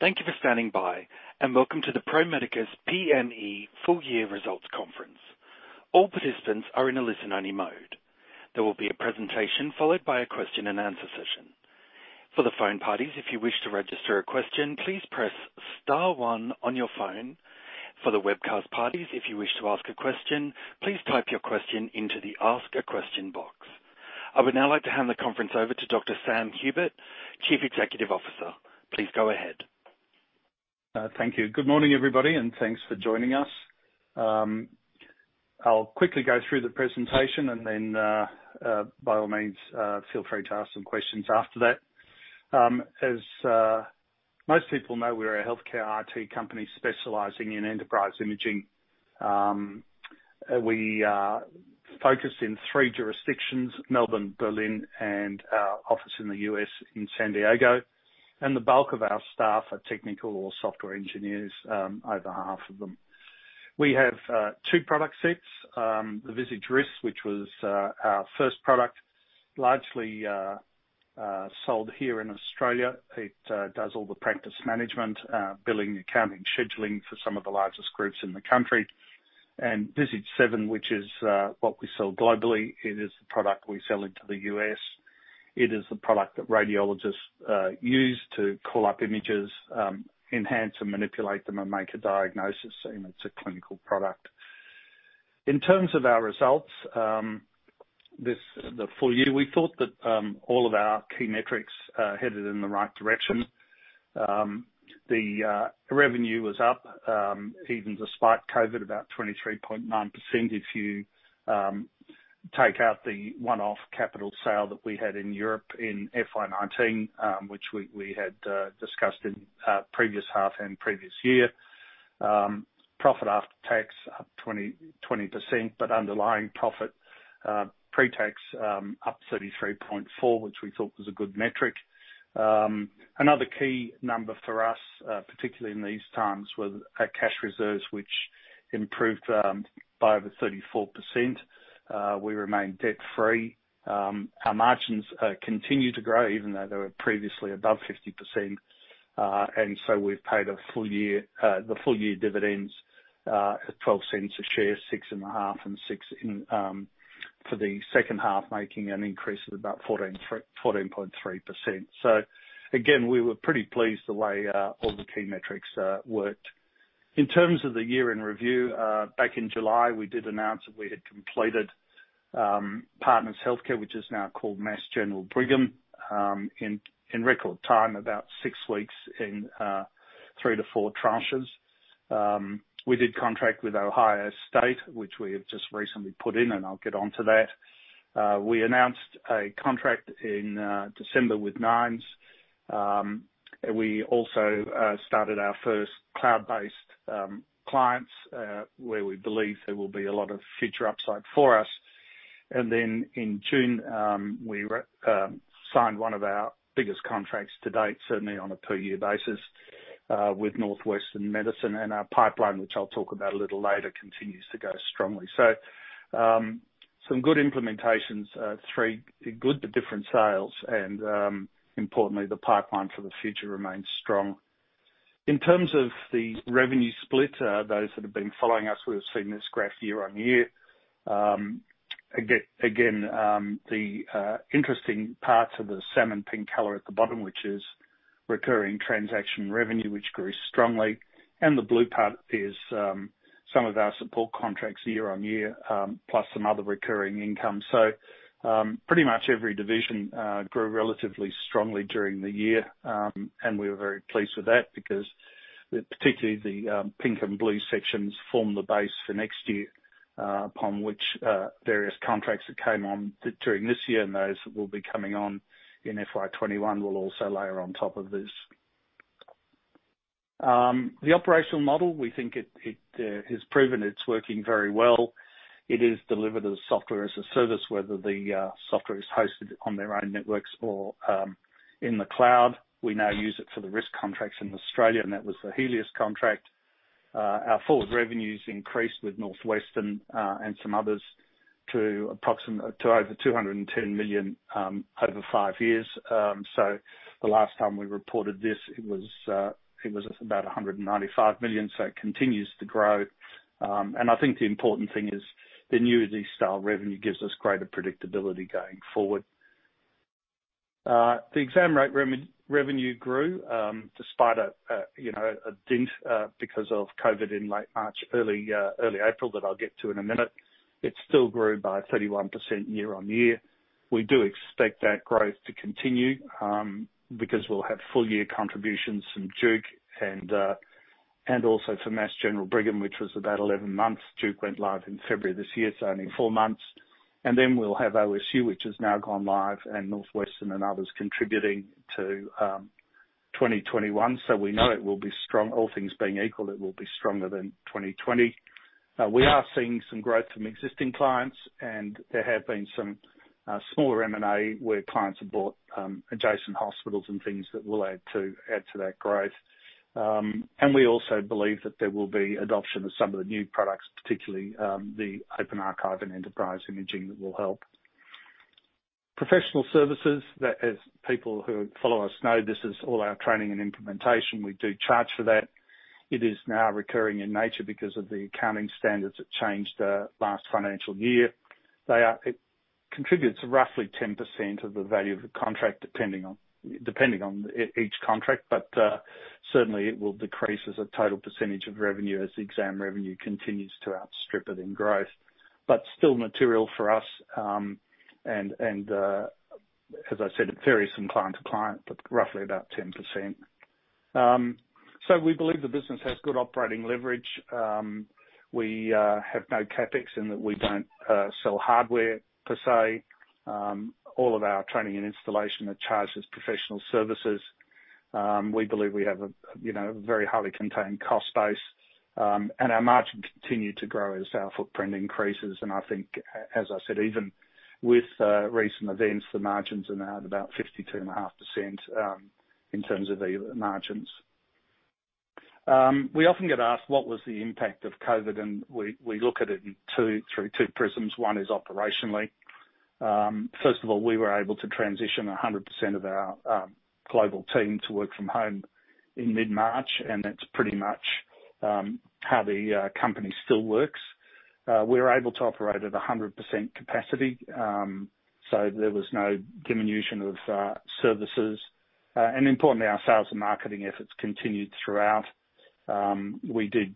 Thank you for standing by, and welcome to the Pro Medicus PME full-year results conference. All participants are in a listen-only mode. There will be a presentation followed by a question-and-answer session. For the phone parties, if you wish to register a question, please press star one on your phone. For the webcast parties, if you wish to ask a question, please type your question into the ask a question box. I would now like to hand the conference over to Dr. Sam Hupert, Chief Executive Officer. Please go ahead. Thank you. Good morning, everybody, and thanks for joining us. I'll quickly go through the presentation, and then, by all means, feel free to ask some questions after that. As most people know, we're a healthcare IT company specializing in enterprise imaging. We focus in three jurisdictions: Melbourne, Berlin, and our office in the US in San Diego. And the bulk of our staff are technical or software engineers, over half of them. We have two product sets: the Visage RIS, which was our first product, largely sold here in Australia. It does all the practice management, billing, accounting, scheduling for some of the largest groups in the country. And Visage 7, which is what we sell globally, it is the product we sell into the US. It is the product that radiologists use to call up images, enhance and manipulate them, and make a diagnosis. And it's a clinical product. In terms of our results, this is the full year. We thought that all of our key metrics headed in the right direction. The revenue was up, even despite COVID, about 23.9% if you take out the one-off capital sale that we had in Europe in FY19, which we had discussed in the previous half and previous year. Profit after tax up 20%, but underlying profit pre-tax up 33.4%, which we thought was a good metric. Another key number for us, particularly in these times, was our cash reserves, which improved by over 34%. We remain debt-free. Our margins continue to grow, even though they were previously above 50%, and so we've paid the full year dividends at 0.12 a share, 0.065 and 0.06 for the second half, making an increase of about 14.3%. So again, we were pretty pleased the way all the key metrics worked. In terms of the year-end review, back in July, we did announce that we had completed Partners HealthCare, which is now called Mass General Brigham, in record time, about six weeks in three to four tranches. We did contract with Ohio State, which we have just recently put in, and I'll get on to that. We announced a contract in December with Nines. We also started our first cloud-based clients, where we believe there will be a lot of future upside for us. And then in June, we signed one of our biggest contracts to date, certainly on a per-year basis, with Northwestern Medicine. And our pipeline, which I'll talk about a little later, continues to go strongly. So some good implementations, three good but different sales, and importantly, the pipeline for the future remains strong. In terms of the revenue split, those that have been following us, we've seen this graph year on year. Again, the interesting parts are the salmon pink color at the bottom, which is recurring transaction revenue, which grew strongly, and the blue part is some of our support contracts year on year, plus some other recurring income, so pretty much every division grew relatively strongly during the year, and we were very pleased with that because particularly the pink and blue sections form the base for next year, upon which various contracts that came on during this year and those that will be coming on in FY21 will also layer on top of this. The operational model, we think, it has proven it's working very well. It is delivered as software as a service, whether the software is hosted on their own networks or in the cloud. We now use it for the risk contracts in Australia, and that was the Healius contract. Our forward revenues increased with Northwestern and some others to over 210 million over five years. So the last time we reported this, it was about 195 million. So it continues to grow. And I think the important thing is the new style revenue gives us greater predictability going forward. The exam rate revenue grew despite a dent because of COVID in late March, early April, that I'll get to in a minute. It still grew by 31% year on year. We do expect that growth to continue because we'll have full-year contributions from Duke and also from Mass General Brigham, which was about 11 months. Duke went live in February this year, so only four months. And then we'll have OSU, which has now gone live, and Northwestern and others contributing to 2021. So we know it will be strong. All things being equal, it will be stronger than 2020. We are seeing some growth from existing clients, and there have been some smaller M&A where clients have bought adjacent hospitals and things that will add to that growth. And we also believe that there will be adoption of some of the new products, particularly the Open Archive and enterprise imaging that will help. Professional services, as people who follow us know, this is all our training and implementation. We do charge for that. It is now recurring in nature because of the accounting standards that changed last financial year. It contributes roughly 10% of the value of the contract, depending on each contract, but certainly it will decrease as a total percentage of revenue as the exam revenue continues to outstrip it in growth. But still material for us. As I said, it varies from client to client, but roughly about 10%. We believe the business has good operating leverage. We have no CapEx in that we don't sell hardware per se. All of our training and installation are charged as professional services. We believe we have a very highly contained cost base. Our margin continued to grow as our footprint increases. I think, as I said, even with recent events, the margins are now at about 52.5% in terms of the margins. We often get asked, "What was the impact of COVID?" We look at it through two prisms. One is operationally. First of all, we were able to transition 100% of our global team to work from home in mid-March, and that's pretty much how the company still works. We were able to operate at 100% capacity, so there was no diminution of services. And importantly, our sales and marketing efforts continued throughout. We did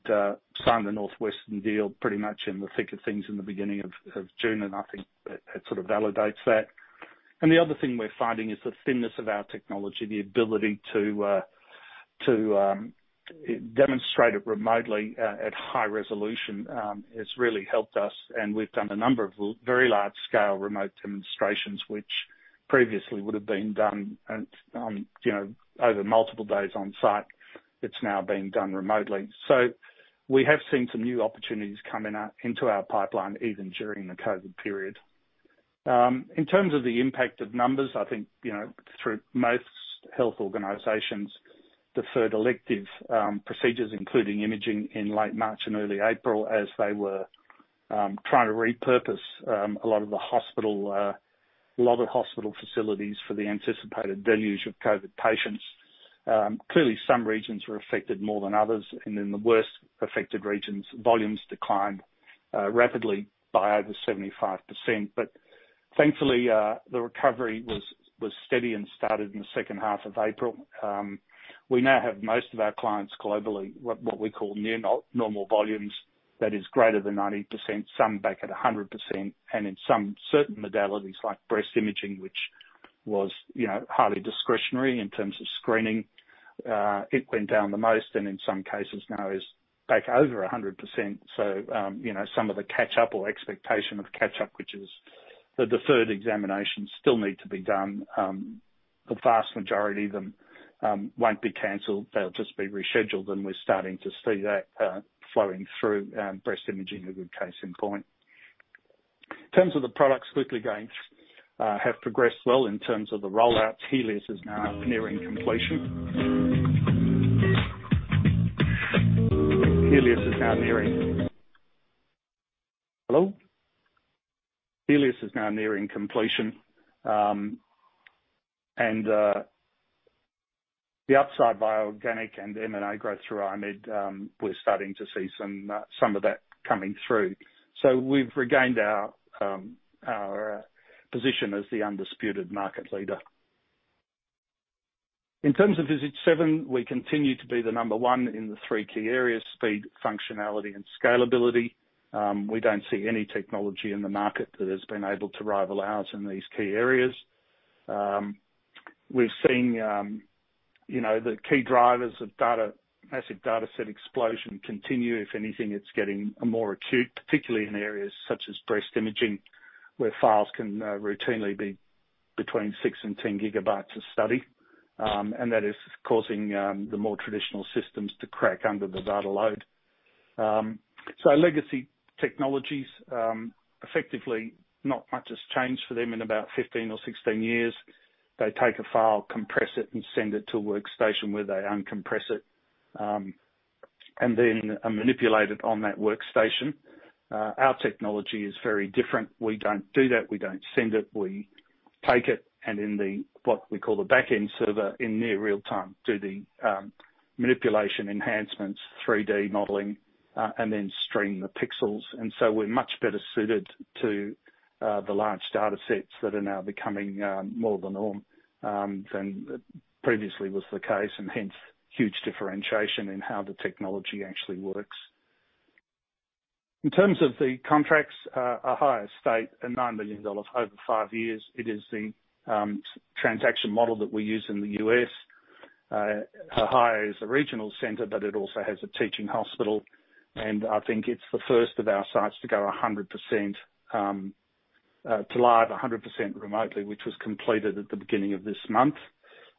sign the Northwestern deal pretty much in the thick of things in the beginning of June, and I think that sort of validates that. And the other thing we're finding is the thinness of our technology. The ability to demonstrate it remotely at high resolution has really helped us. And we've done a number of very large-scale remote demonstrations, which previously would have been done over multiple days on site. It's now being done remotely. So we have seen some new opportunities come into our pipeline even during the COVID period. In terms of the impact of numbers, I think through most health organizations, deferred elective procedures, including imaging in late March and early April, as they were trying to repurpose a lot of the hospital facilities for the anticipated deluge of COVID patients. Clearly, some regions were affected more than others and in the worst affected regions, volumes declined rapidly by over 75%. But thankfully, the recovery was steady and started in the second half of April. We now have most of our clients globally at what we call near-normal volumes. That is greater than 90%, some back at 100% and in some certain modalities like breast imaging, which was highly discretionary in terms of screening, it went down the most and in some cases, now is back over 100%, so some of the catch-up or expectation of catch-up, which is the deferred examinations, still need to be done. The vast majority of them won't be canceled. They'll just be rescheduled. And we're starting to see that flowing through breast imaging, a good case in point. In terms of the products quickly going, have progressed well in terms of the rollouts. Healius is now nearing completion. And the upside via organic and M&A growth through I-MED, we're starting to see some of that coming through. So we've regained our position as the undisputed market leader. In terms of Visage 7, we continue to be the number one in the three key areas: speed, functionality, and scalability. We don't see any technology in the market that has been able to rival ours in these key areas. We've seen the key drivers of massive dataset explosion continue. If anything, it's getting more acute, particularly in areas such as breast imaging, where files can routinely be between six and 10 gigabytes a study. And that is causing the more traditional systems to crack under the data load. So legacy technologies, effectively, not much has changed for them in about 15 or 16 years. They take a file, compress it, and send it to a workstation where they uncompress it and then manipulate it on that workstation. Our technology is very different. We don't do that. We don't send it. We take it and in what we call the backend server in near real-time, do the manipulation enhancements, 3D modeling, and then stream the pixels. And so we're much better suited to the large datasets that are now becoming more the norm than previously was the case. And hence, huge differentiation in how the technology actually works. In terms of the contracts, Ohio State and $9 million over five years. It is the transaction model that we use in the U.S. Ohio is a regional center, but it also has a teaching hospital. I think it's the first of our sites to go 100% to live, 100% remotely, which was completed at the beginning of this month.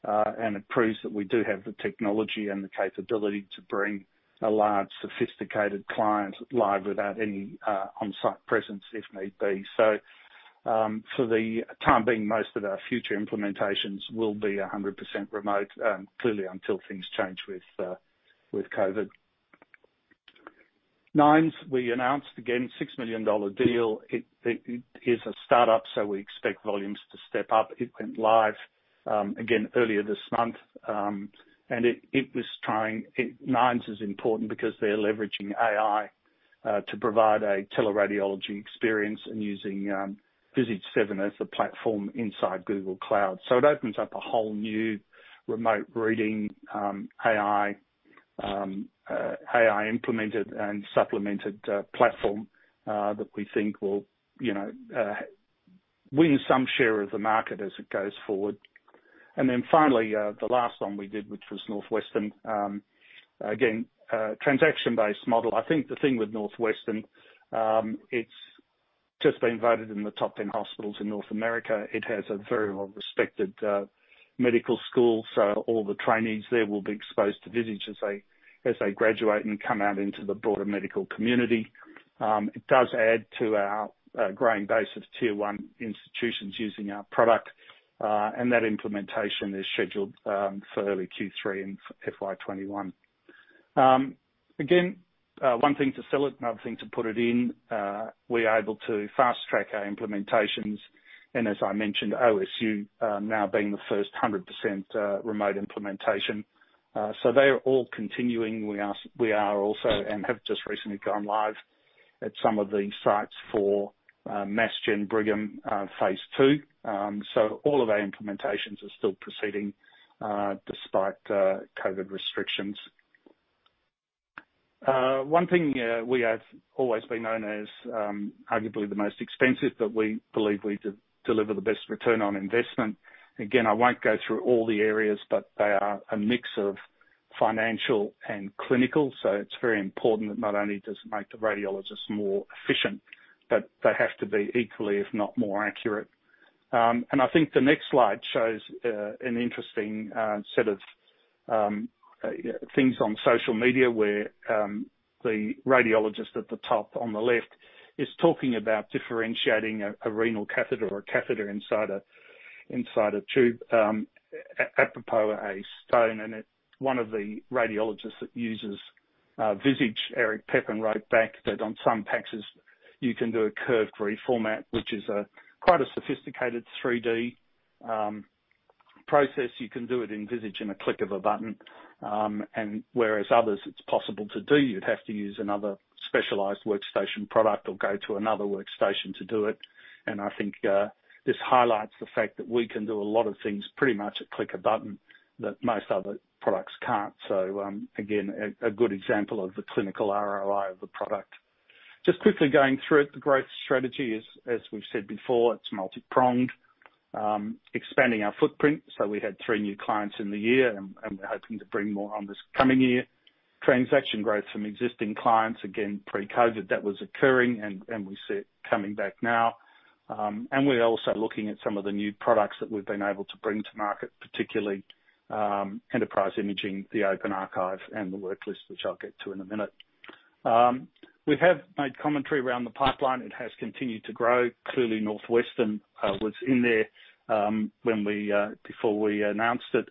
It proves that we do have the technology and the capability to bring a large, sophisticated client live without any on-site presence if need be. For the time being, most of our future implementations will be 100% remote, clearly until things change with COVID. Nines, we announced again a $6 million deal. It is a startup, so we expect volumes to step up. It went live again earlier this month. And it was trying. Nines is important because they're leveraging AI to provide a teleradiology experience and using Visage 7 as the platform inside Google Cloud. So it opens up a whole new remote reading AI implemented and supplemented platform that we think will win some share of the market as it goes forward. And then finally, the last one we did, which was Northwestern. Again, transaction-based model. I think the thing with Northwestern, it's just been voted in the top 10 hospitals in North America. It has a very well-respected medical school. So all the trainees there will be exposed to Visage 7 as they graduate and come out into the broader medical community. It does add to our growing base of tier-one institutions using our product. And that implementation is scheduled for early Q3 in FY21. Again, one thing to sell it, another thing to put it in. We are able to fast-track our implementations, and as I mentioned, OSU now being the first 100% remote implementation. They are all continuing. We are also and have just recently gone live at some of the sites for Mass General Brigham phase two. All of our implementations are still proceeding despite COVID restrictions. One thing we have always been known as arguably the most expensive, but we believe we deliver the best return on investment. Again, I won't go through all the areas, but they are a mix of financial and clinical. It's very important that not only does it make the radiologists more efficient, but they have to be equally, if not more accurate. And I think the next slide shows an interesting set of things on social media where the radiologist at the top on the left is talking about differentiating a renal catheter or a catheter inside a tube apropos a stone. And one of the radiologists that uses Visage 7, Eric Pepin, wrote back that on some PACS, you can do a curved reformat, which is quite a sophisticated 3D process. You can do it in Visage 7 in a click of a button. And whereas others, it's possible to do. You'd have to use another specialized workstation product or go to another workstation to do it. And I think this highlights the fact that we can do a lot of things pretty much at click a button that most other products can't. So again, a good example of the clinical ROI of the product. Just quickly going through it, the growth strategy is, as we've said before, it's multi-pronged, expanding our footprint. So we had three new clients in the year, and we're hoping to bring more on this coming year. Transaction growth from existing clients, again, pre-COVID, that was occurring, and we see it coming back now. And we're also looking at some of the new products that we've been able to bring to market, particularly enterprise imaging, the open archive, and the worklist, which I'll get to in a minute. We have made commentary around the pipeline. It has continued to grow. Clearly, Northwestern was in there before we announced it.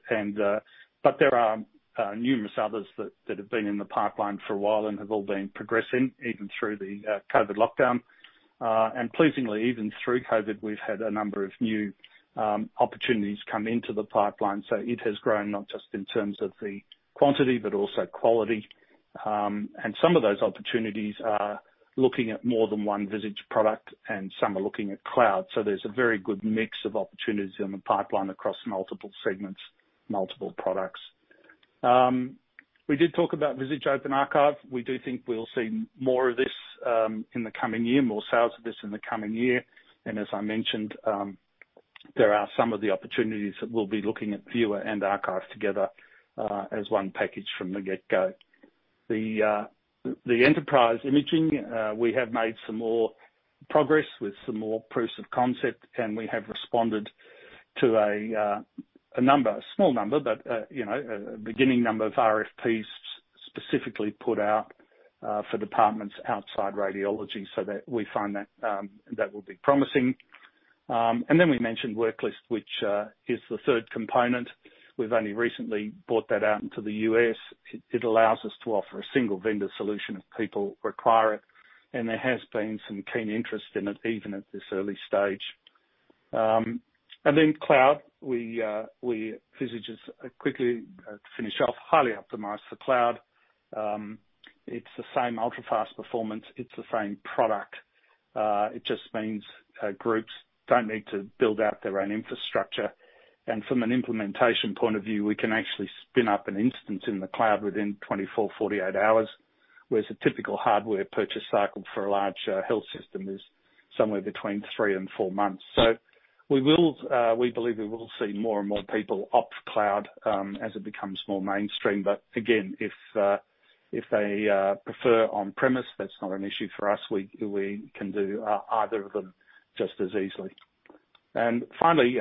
But there are numerous others that have been in the pipeline for a while and have all been progressing even through the COVID lockdown. And pleasingly, even through COVID, we've had a number of new opportunities come into the pipeline. So it has grown not just in terms of the quantity, but also quality. And some of those opportunities are looking at more than one Visage product, and some are looking at cloud. So there's a very good mix of opportunities in the pipeline across multiple segments, multiple products. We did talk about Visage Open Archive. We do think we'll see more of this in the coming year, more sales of this in the coming year. And as I mentioned, there are some of the opportunities that we'll be looking at viewer and archive together as one package from the get-go. The enterprise imaging, we have made some more progress with some more proofs of concept. And we have responded to a small number, but a beginning number of RFPs specifically put out for departments outside radiology. So we find that that will be promising. And then we mentioned worklist, which is the third component. We've only recently brought that out into the US. It allows us to offer a single vendor solution if people require it. And there has been some keen interest in it even at this early stage. And then cloud. Visage 7, to finish off, is highly optimized for cloud. It's the same ultra-fast performance. It's the same product. It just means groups don't need to build out their own infrastructure. And from an implementation point of view, we can actually spin up an instance in the cloud within 24-48 hours, whereas a typical hardware purchase cycle for a large health system is somewhere between three and four months. So we believe we will see more and more people opt for cloud as it becomes more mainstream. But again, if they prefer on-premise, that's not an issue for us. We can do either of them just as easily, and finally,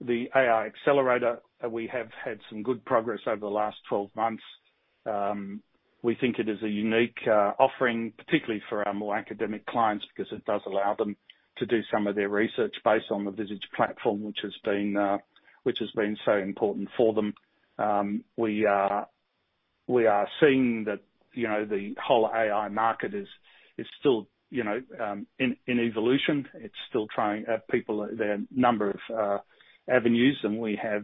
the AI Accelerator, we have had some good progress over the last 12 months. We think it is a unique offering, particularly for our more academic clients, because it does allow them to do some of their research based on the Visage platform, which has been so important for them. We are seeing that the whole AI market is still in evolution. It's still trying people, there are a number of avenues. And we have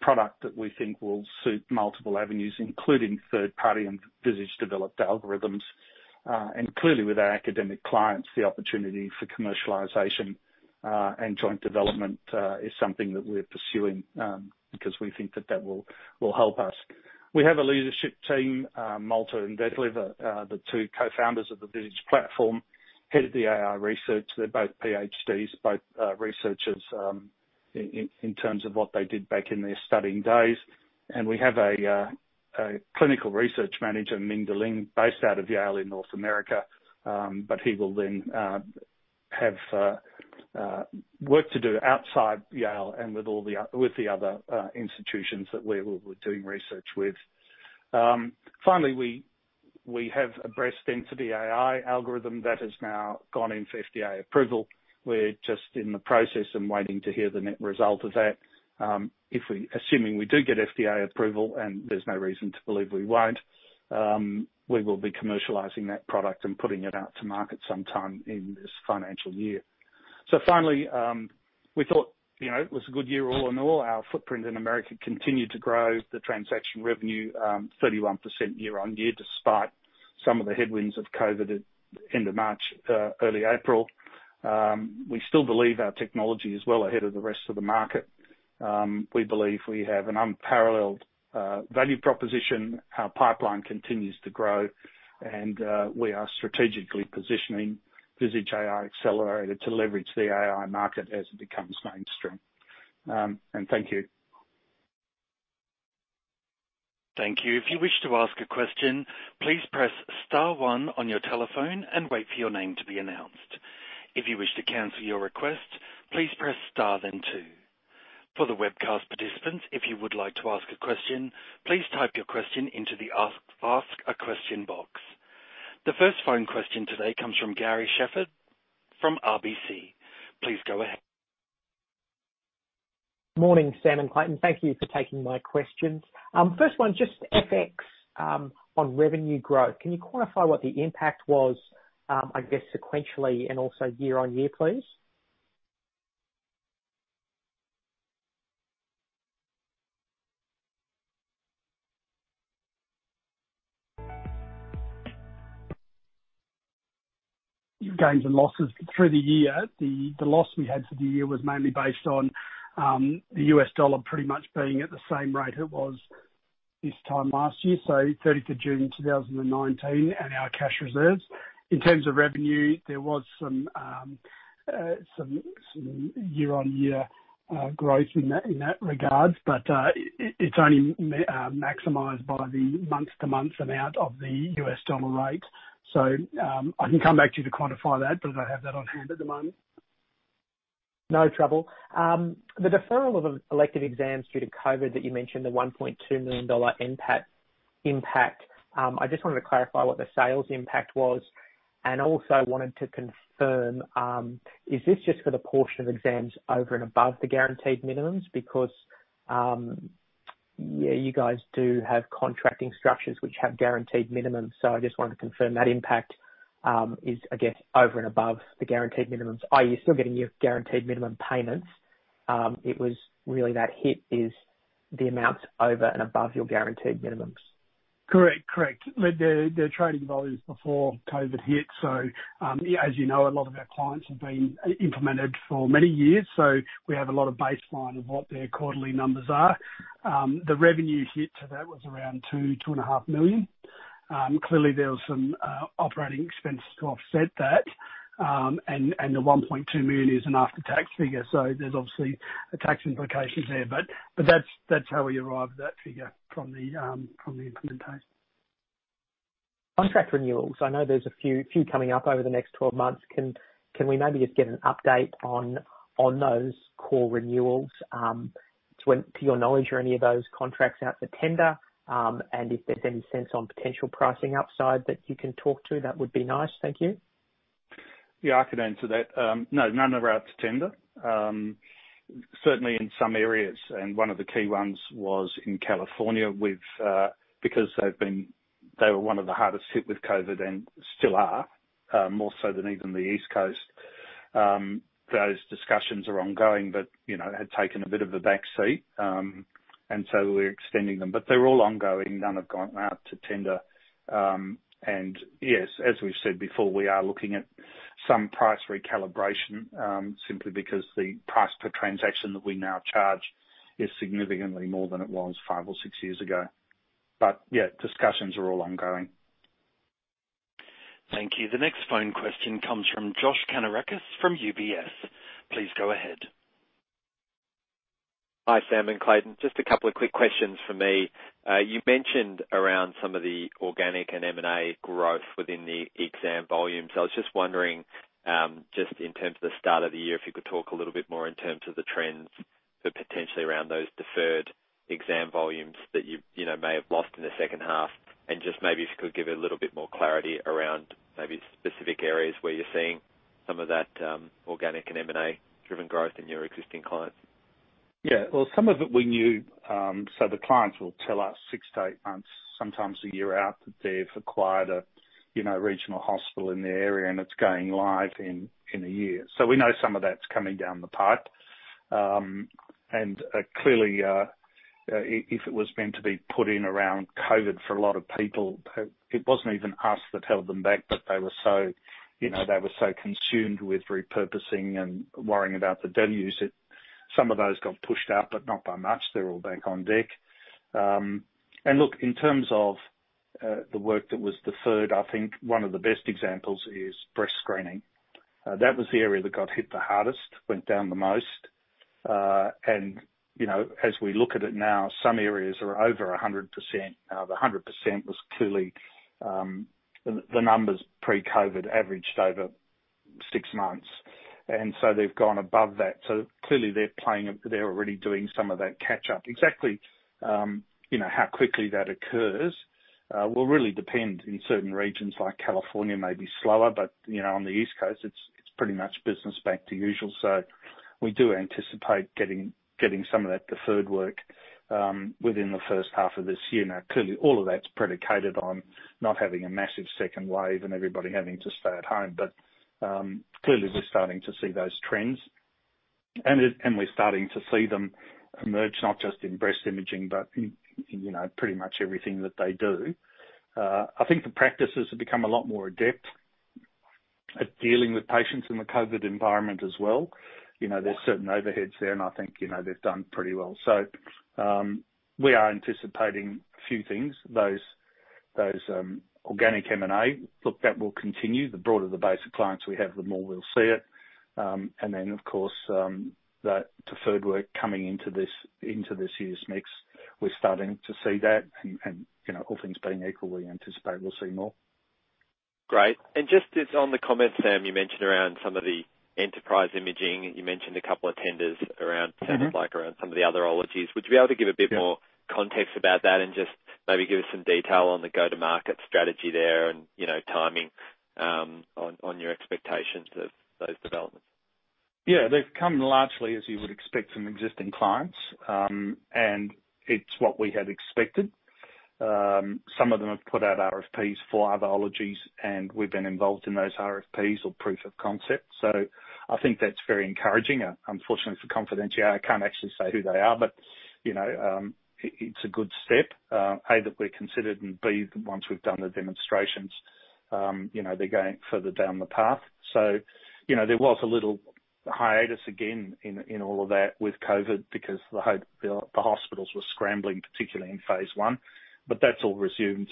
product that we think will suit multiple avenues, including third-party and Visage developed algorithms. And clearly, with our academic clients, the opportunity for commercialization and joint development is something that we're pursuing because we think that that will help us. We have a leadership team, Malte and Detlev, the two co-founders of the Visage platform, head of the AI research. They're both PhDs, both researchers in terms of what they did back in their studying days, and we have a clinical research manager, Ming De Lin, based out of Yale in North America, but he will then have work to do outside Yale and with the other institutions that we were doing research with. Finally, we have a breast density AI algorithm that has now gone in for FDA approval. We're just in the process and waiting to hear the net result of that. Assuming we do get FDA approval, and there's no reason to believe we won't, we will be commercializing that product and putting it out to market sometime in this financial year, so finally, we thought it was a good year all in all. Our footprint in America continued to grow. The transaction revenue, 31% year on year, despite some of the headwinds of COVID at the end of March, early April. We still believe our technology is well ahead of the rest of the market. We believe we have an unparalleled value proposition. Our pipeline continues to grow. And we are strategically positioning Visage AI Accelerator to leverage the AI market as it becomes mainstream. And thank you. Thank you. If you wish to ask a question, please press star one on your telephone and wait for your name to be announced. If you wish to cancel your request, please press star then two. For the webcast participants, if you would like to ask a question, please type your question into the ask a question box. The first phone question today comes from Gary Shepherd from RBC. Please go ahead. Morning, Sam and Clayton. Thank you for taking my questions. First one, just FX on revenue growth. Can you quantify what the impact was, I guess, sequentially and also year on year, please? Gains and losses through the year. The loss we had for the year was mainly based on the U.S. dollar pretty much being at the same rate it was this time last year, so 30th of June 2019, and our cash reserves. In terms of revenue, there was some year-on-year growth in that regard, but it's only maximized by the month-to-month amount of the U.S. dollar rate. So I can come back to you to quantify that, but I don't have that on hand at the moment. No trouble. The deferral of elective exams due to COVID that you mentioned, the $1.2 million impact, I just wanted to clarify what the sales impact was and also wanted to confirm, is this just for the portion of exams over and above the guaranteed minimums? Because you guys do have contracting structures which have guaranteed minimums. So I just wanted to confirm that impact is, I guess, over and above the guaranteed minimums, i.e., you're still getting your guaranteed minimum payments. It was really that hit is the amounts over and above your guaranteed minimums. Correct. Correct. Their trading volumes before COVID hit. So as you know, a lot of our clients have been implemented for many years. So we have a lot of baseline of what their quarterly numbers are. The revenue hit to that was around 2-2.5 million. Clearly, there were some operating expenses to offset that. And the 1.2 million is an after-tax figure. So there's obviously tax implications there. But that's how we arrived at that figure from the implementation. Contract renewals, I know there's a few coming up over the next 12 months. Can we maybe just get an update on those core renewals? To your knowledge, are any of those contracts out to tender? And if there's any sense on potential pricing upside that you can talk to, that would be nice. Thank you. Yeah, I can answer that. No, none of them are out to tender. Certainly in some areas. And one of the key ones was in California because they were one of the hardest hit with COVID and still are, more so than even the East Coast. Those discussions are ongoing, but had taken a bit of a backseat. And so we're extending them. But they're all ongoing. None have gone out to tender. And yes, as we've said before, we are looking at some price recalibration simply because the price per transaction that we now charge is significantly more than it was five or six years ago. But yeah, discussions are all ongoing. Thank you. The next phone question comes from Josh Kannourakis from UBS. Please go ahead. Hi, Sam and Clayton. Just a couple of quick questions for me. You mentioned around some of the organic and M&A growth within the exam volumes. I was just wondering, just in terms of the start of the year, if you could talk a little bit more in terms of the trends potentially around those deferred exam volumes that you may have lost in the second half. And just maybe if you could give a little bit more clarity around maybe specific areas where you're seeing some of that organic and M&A-driven growth in your existing clients. Yeah. Well, some of it we knew. So the clients will tell us six to eight months, sometimes a year out, that they've acquired a regional hospital in the area and it's going live in a year. So we know some of that's coming down the pipe. And clearly, if it was meant to be put in around COVID for a lot of people, it wasn't even us that held them back, but they were so consumed with repurposing and worrying about the venues. Some of those got pushed out, but not by much. They're all back on deck. And look, in terms of the work that was deferred, I think one of the best examples is breast screening. That was the area that got hit the hardest, went down the most. And as we look at it now, some areas are over 100%. Now, the 100% was clearly the numbers pre-COVID averaged over six months. And so they've gone above that. So clearly, they're already doing some of that catch-up. Exactly how quickly that occurs will really depend in certain regions like California, maybe slower. But on the East Coast, it's pretty much business back to usual. So we do anticipate getting some of that deferred work within the first half of this year. Now, clearly, all of that's predicated on not having a massive second wave and everybody having to stay at home. But clearly, we're starting to see those trends. And we're starting to see them emerge not just in breast imaging, but in pretty much everything that they do. I think the practices have become a lot more adept at dealing with patients in the COVID environment as well. There's certain overheads there, and I think they've done pretty well. So we are anticipating a few things. Those organic M&A, look, that will continue. The broader the base of clients we have, the more we'll see it. And then, of course, that deferred work coming into this year's mix, we're starting to see that. And all things being equal, we anticipate we'll see more. Great. And just on the comments, Sam, you mentioned around some of the enterprise imaging. You mentioned a couple of tenders around, sounded like, around some of the other modalities. Would you be able to give a bit more context about that and just maybe give us some detail on the go-to-market strategy there and timing on your expectations of those developments? Yeah. They've come largely, as you would expect, from existing clients. And it's what we had expected. Some of them have put out RFPs for other modalities. And we've been involved in those RFPs or proof of concept. So I think that's very encouraging. Unfortunately, for confidentiality, I can't actually say who they are, but it's a good step, A, that we're considered, and B, that once we've done the demonstrations, they're going further down the path. So there was a little hiatus again in all of that with COVID because the hospitals were scrambling, particularly in phase one. But that's all resumed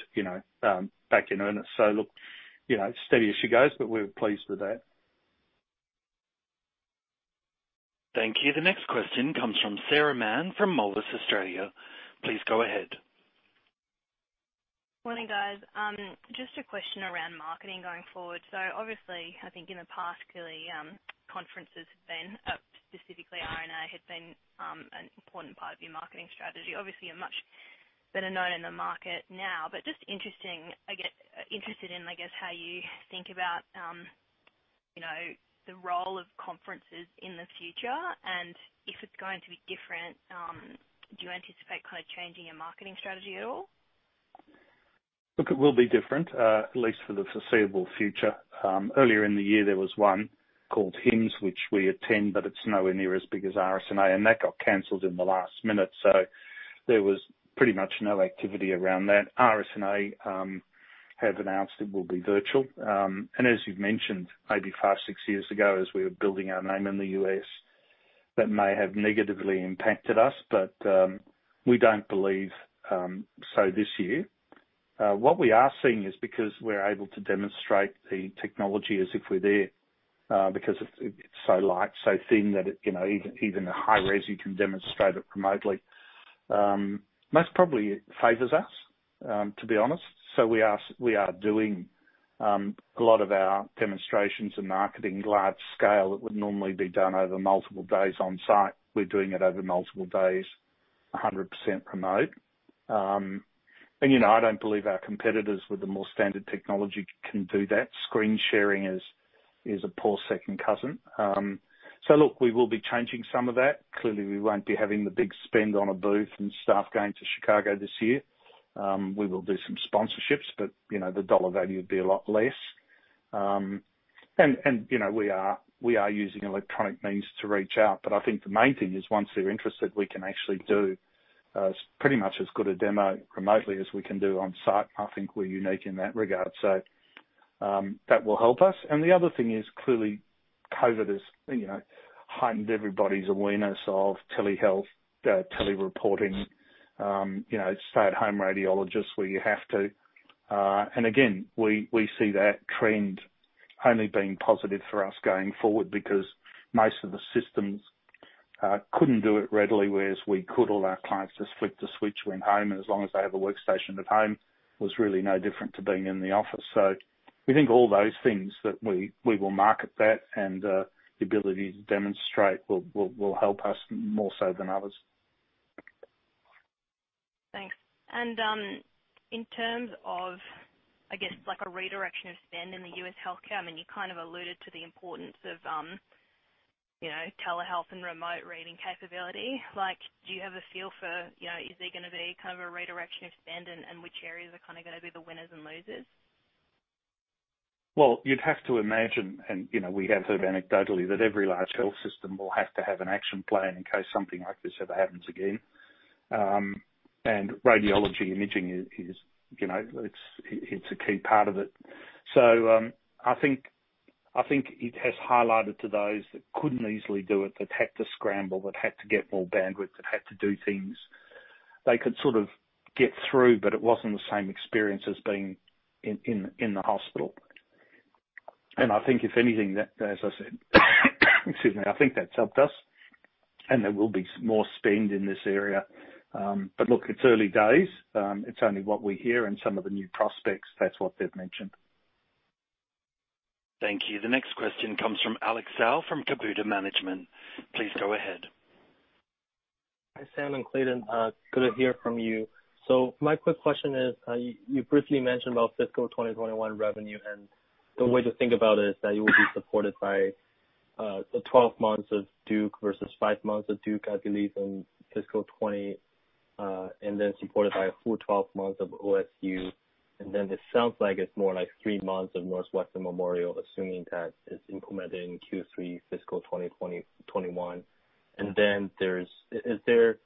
back in earnest. So look, steady as she goes, but we're pleased with that. Thank you. The next question comes from Sarah Mann from Moelis Australia. Please go ahead. Morning, guys. Just a question around marketing going forward. So obviously, I think in the past, clearly, conferences have been, specifically RSNA, had been an important part of your marketing strategy. Obviously, you're much better known in the market now. But just interested in, I guess, how you think about the role of conferences in the future and if it's going to be different. Do you anticipate kind of changing your marketing strategy at all? Look, it will be different, at least for the foreseeable future. Earlier in the year, there was one called HIMSS, which we attend, but it's nowhere near as big as RSNA, and that got canceled in the last minute, so there was pretty much no activity around that. RSNA have announced it will be virtual, and as you've mentioned, maybe five, six years ago, as we were building our name in the US, that may have negatively impacted us, but we don't believe so this year. What we are seeing is because we're able to demonstrate the technology as if we're there because it's so light, so thin that even at high res, you can demonstrate it remotely. Most probably, it favors us, to be honest, so we are doing a lot of our demonstrations and marketing large scale that would normally be done over multiple days on site. We're doing it over multiple days, 100% remote, and I don't believe our competitors with the more standard technology can do that. Screen sharing is a poor second cousin, so look, we will be changing some of that. Clearly, we won't be having the big spend on a booth and staff going to Chicago this year. We will do some sponsorships, but the dollar value would be a lot less, and we are using electronic means to reach out. But I think the main thing is once they're interested, we can actually do pretty much as good a demo remotely as we can do on site. I think we're unique in that regard, so that will help us, and the other thing is clearly, COVID has heightened everybody's awareness of telehealth, tele-reporting, stay-at-home radiologists where you have to. Again, we see that trend only being positive for us going forward because most of the systems couldn't do it readily, whereas we could. All our clients just flipped the switch when home. As long as they have a workstation at home, it was really no different to being in the office. We think all those things that we will market that and the ability to demonstrate will help us more so than others. Thanks. And in terms of, I guess, a redirection of spend in the U.S. healthcare, I mean, you kind of alluded to the importance of telehealth and remote reading capability. Do you have a feel for, is there going to be kind of a redirection of spend and which areas are kind of going to be the winners and losers? Well, you'd have to imagine, and we have heard anecdotally, that every large health system will have to have an action plan in case something like this ever happens again, and radiology imaging, it's a key part of it. So I think it has highlighted to those that couldn't easily do it, that had to scramble, that had to get more bandwidth, that had to do things they could sort of get through, but it wasn't the same experience as being in the hospital. And I think if anything, as I said, excuse me, I think that's helped us, and there will be more spend in this area, but look, it's early days. It's only what we hear and some of the new prospects, that's what they've mentioned. Thank you. The next question comes from Alex Ely from Kabouter Management. Please go ahead. Hi, Sam and Clayton. Good to hear from you. So my quick question is, you briefly mentioned about fiscal 2021 revenue and the way to think about it is that you will be supported by 12 months of Duke versus five months of Duke, I believe, in fiscal 2020, and then supported by a full 12 months of OSU. And then it sounds like it's more like three months of Northwestern Memorial, assuming that it's implemented in Q3 fiscal 2021. And then is there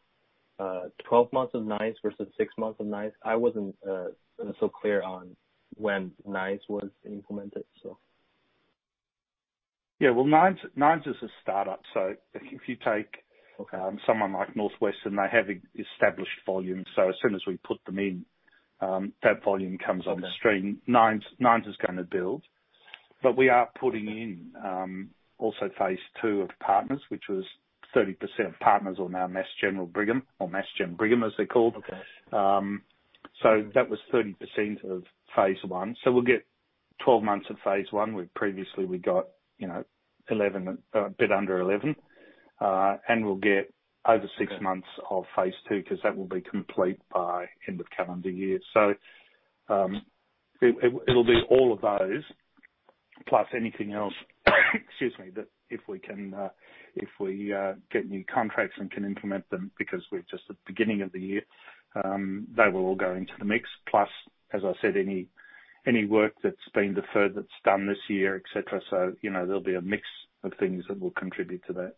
12 months of Nines versus six months of Nines? I wasn't so clear on when Nines was implemented, so. Yeah. Well, Nines is a startup. So if you take someone like Northwestern, they have established volume. So as soon as we put them in, that volume comes on the stream. Nines is going to build. But we are putting in also phase two of Partners, which was 30% of Partners on our Mass General Brigham, or Mass Gen Brigham, as they're called. So that was 30% of phase one. So we'll get 12 months of phase one. Previously, we got a bit under 11. And we'll get over 6 months of phase two because that will be complete by end of calendar year. So it'll be all of those, plus anything else, excuse me, that if we can get new contracts and can implement them because we're just at the beginning of the year, they will all go into the mix. Plus, as I said, any work that's been deferred that's done this year, etc. So there'll be a mix of things that will contribute to that.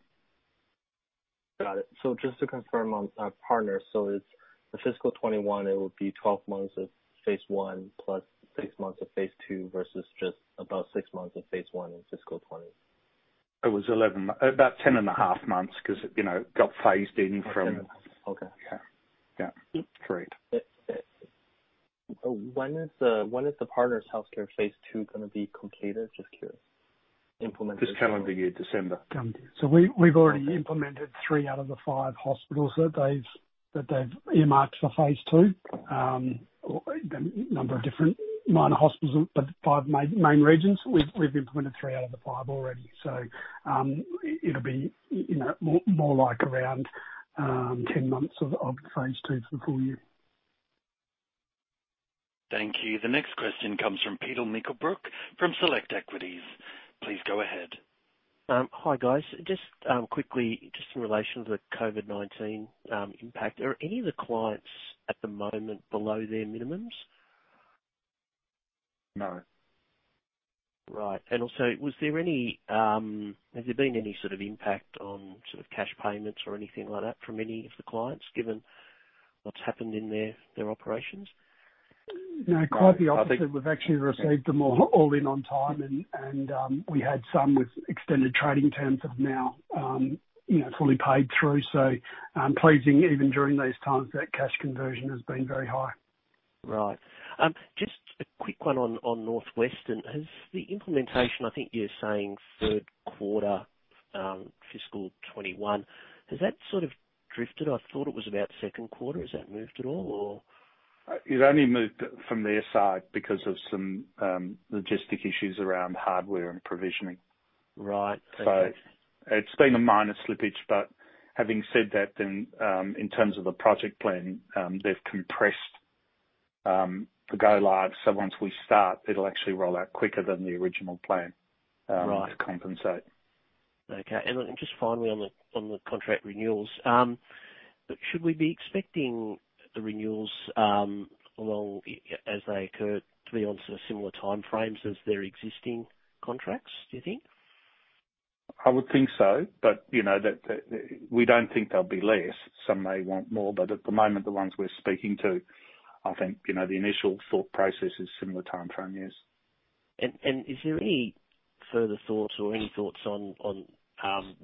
Got it, so just to confirm on Partners, so it's the fiscal 2021, it will be 12 months of phase one plus six months of phase two versus just about six months of phase one in fiscal 2020. It was about 10 and a half months because it got phased in from. 10 and a half. Yeah. Great. When is the Partners HealthCare phase two going to be completed? Just curious. Implemented. This calendar year, December. We've already implemented three out of the five hospitals that they've earmarked for phase two. A number of different minor hospitals, but five main regions. We've implemented three out of the five already. It'll be more like around 10 months of phase two for the full year. Thank you. The next question comes from Peter Mikolajczyk from Select Equities. Please go ahead. Hi, guys. Just quickly, just in relation to the COVID-19 impact, are any of the clients at the moment below their minimums? No. Right. And also, has there been any sort of impact on sort of cash payments or anything like that from any of the clients, given what's happened in their operations? No, quite the opposite. We've actually received them all in on time, and we had some with extended trading terms that have now fully paid through. So pleasing, even during those times, that cash conversion has been very high. Right. Just a quick one on Northwestern. Has the implementation, I think you're saying, third quarter fiscal 2021, has that sort of drifted? I thought it was about second quarter. Has that moved at all, or? It only moved from their side because of some logistic issues around hardware and provisioning. Right. Okay. So it's been a minor slippage. But having said that, then in terms of the project plan, they've compressed the go-live. So once we start, it'll actually roll out quicker than the original plan to compensate. Okay. And just finally, on the contract renewals, should we be expecting the renewals as they occur to be on sort of similar timeframes as their existing contracts, do you think? I would think so. But we don't think they'll be less. Some may want more. But at the moment, the ones we're speaking to, I think the initial thought process is similar timeframe, yes. Is there any further thoughts or any thoughts on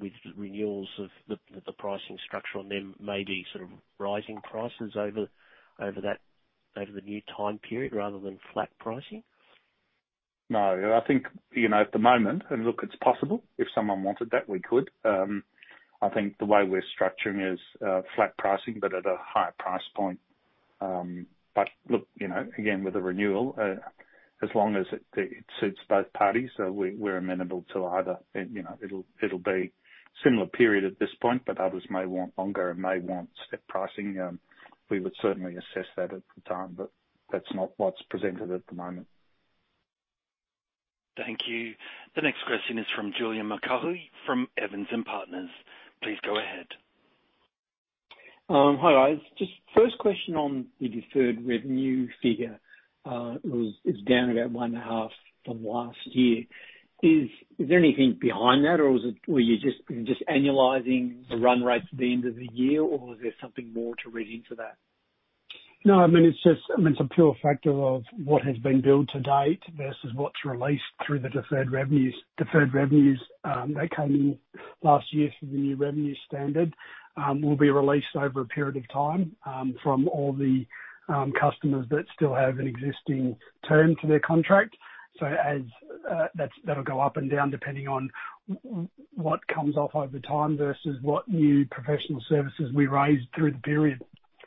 with renewals of the pricing structure on them, maybe sort of rising prices over the new time period rather than flat pricing? No. I think at the moment, and look, it's possible. If someone wanted that, we could. I think the way we're structuring is flat pricing, but at a higher price point. But look, again, with a renewal, as long as it suits both parties, we're amenable to either. It'll be a similar period at this point, but others may want longer and may want step pricing. We would certainly assess that at the time, but that's not what's presented at the moment. Thank you. The next question is from Julian Mulcahy from Evans & Partners. Please go ahead. Hi, guys. Just first question on the deferred revenue figure. It's down about one and a half from last year. Is there anything behind that, or are you just annualizing the run rates at the end of the year, or is there something more to read into that? No, I mean, it's a pure factor of what has been billed to date versus what's released through the deferred revenues. Deferred revenues that came in last year for the new revenue standard will be released over a period of time from all the customers that still have an existing term to their contract. So that'll go up and down depending on what comes off over time versus what new professional services we raise through the period.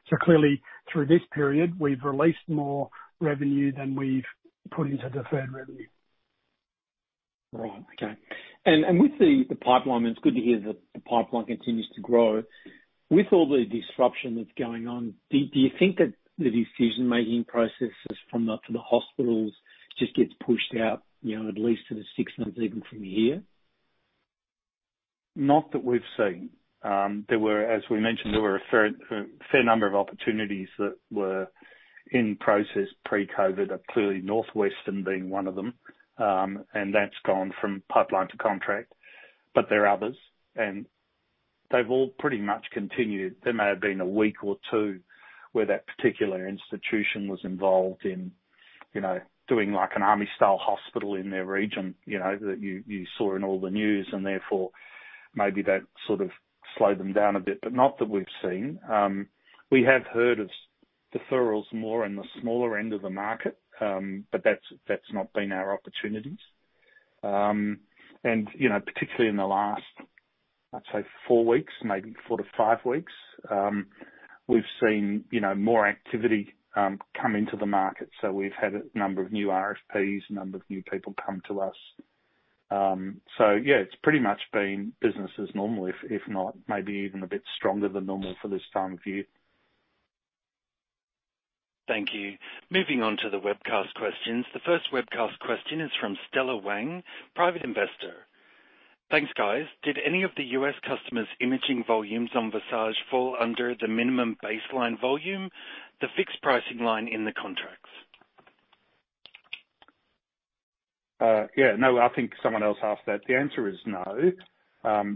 So clearly, through this period, we've released more revenue than we've put into deferred revenue. Right. Okay, and with the pipeline, it's good to hear that the pipeline continues to grow. With all the disruption that's going on, do you think that the decision-making processes for the hospitals just gets pushed out at least to the six months even from here? Not that we've seen. As we mentioned, there were a fair number of opportunities that were in process pre-COVID, clearly Northwestern Medicine being one of them. And that's gone from pipeline to contract. But there are others. And they've all pretty much continued. There may have been a week or two where that particular institution was involved in doing an army-style hospital in their region that you saw in all the news. And therefore, maybe that sort of slowed them down a bit. But not that we've seen. We have heard of deferrals more in the smaller end of the market, but that's not been our opportunities. And particularly in the last, I'd say, four weeks, maybe four to five weeks, we've seen more activity come into the market. So we've had a number of new RFPs, a number of new people come to us. So yeah, it's pretty much been business as normal, if not maybe even a bit stronger than normal for this time of year. Thank you. Moving on to the webcast questions. The first webcast question is from Stella Wang, private investor. Thanks, guys. Did any of the US customers' imaging volumes on Visage fall under the minimum baseline volume, the fixed pricing line in the contracts? Yeah. No, I think someone else asked that. The answer is no.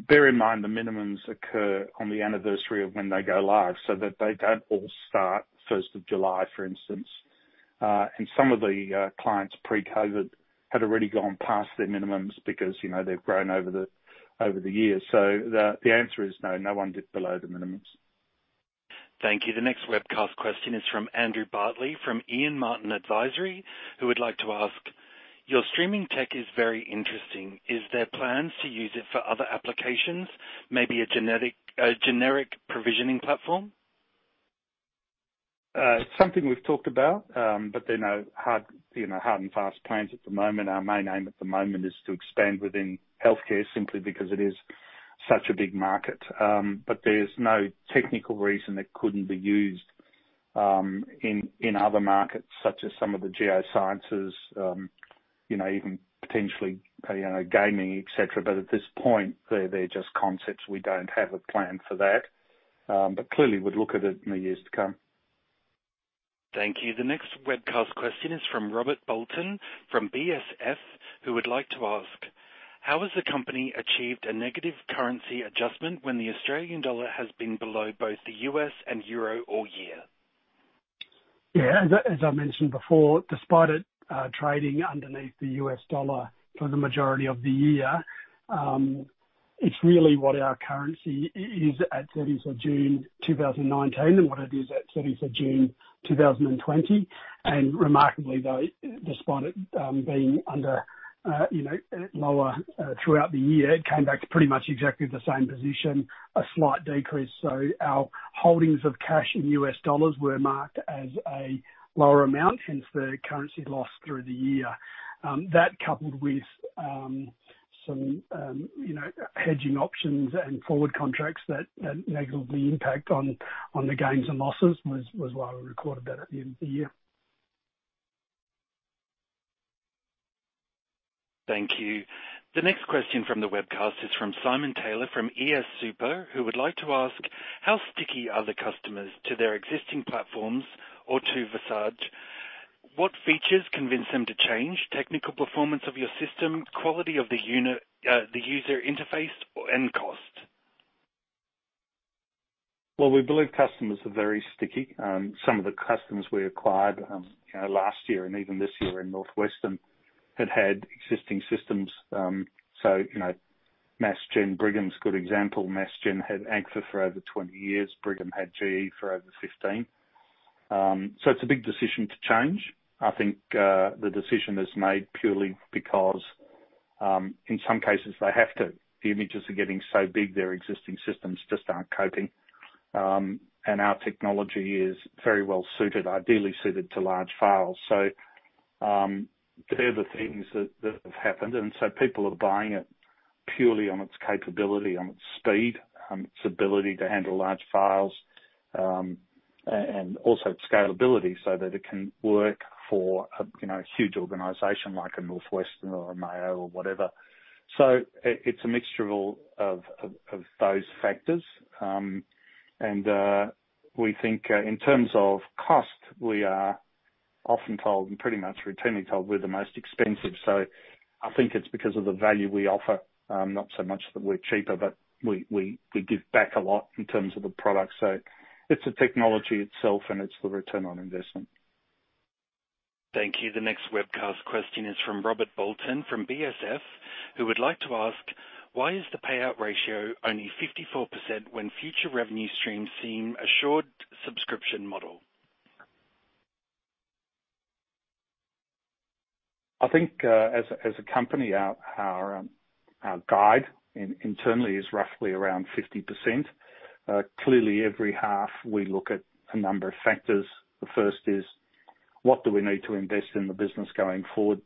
Bear in mind, the minimums occur on the anniversary of when they go live so that they don't all start 1st of July, for instance. And some of the clients pre-COVID had already gone past their minimums because they've grown over the years. So the answer is no, no one did below the minimums. Thank you. The next webcast question is from Andrew Bartley from Ian Martin Advisory, who would like to ask, "Your streaming tech is very interesting. Is there plans to use it for other applications, maybe a generic provisioning platform? It's something we've talked about, but there are no hard and fast plans at the moment. Our main aim at the moment is to expand within healthcare simply because it is such a big market. But there's no technical reason it couldn't be used in other markets, such as some of the geosciences, even potentially gaming, etc. But at this point, they're just concepts. We don't have a plan for that. But clearly, we'd look at it in the years to come. Thank you. The next webcast question is from Robert Bolton from BSP, who would like to ask, "How has the company achieved a negative currency adjustment when the Australian dollar has been below both the U.S. and euro all year? Yeah. As I mentioned before, despite it trading underneath the U.S. dollar for the majority of the year, it's really what our currency is at 30th of June 2019 and what it is at 30th of June 2020. And remarkably, though, despite it being under lower throughout the year, it came back to pretty much exactly the same position, a slight decrease. So our holdings of cash in U.S. dollars were marked as a lower amount, hence the currency loss through the year. That coupled with some hedging options and forward contracts that negatively impact on the gains and losses was why we recorded that at the end of the year. Thank you. The next question from the webcast is from Simon Taylor from ESSSuper, who would like to ask, "How sticky are the customers to their existing platforms or to Visage? What features convince them to change? Technical performance of your system, quality of the user interface, and cost? We believe customers are very sticky. Some of the customers we acquired last year and even this year in Northwestern had had existing systems. Mass General Brigham's a good example. Mass General had Agfa for over 20 years. Brigham had GE for over 15. It's a big decision to change. I think the decision is made purely because in some cases, they have to. The images are getting so big, their existing systems just aren't coping, and our technology is very well suited, ideally suited to large files. They're the things that have happened. People are buying it purely on its capability, on its speed, on its ability to handle large files, and also scalability so that it can work for a huge organization like a Northwestern or a Mayo or whatever. It's a mixture of those factors. And we think in terms of cost, we are often told and pretty much routinely told we're the most expensive. So I think it's because of the value we offer, not so much that we're cheaper, but we give back a lot in terms of the product. So it's the technology itself, and it's the return on investment. Thank you. The next webcast question is from Robert Bolton from BSP, who would like to ask, "Why is the payout ratio only 54% when future revenue streams seem assured subscription model? I think as a company, our guide internally is roughly around 50%. Clearly, every half, we look at a number of factors. The first is, what do we need to invest in the business going forward,